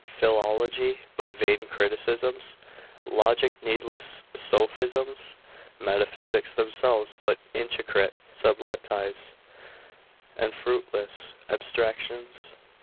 philology, but vain criticisms? logic, needless sophisms? metaphysics themselves, but intricate subtleties, and fruitless abstractions?